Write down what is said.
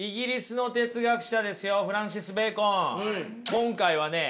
今回はね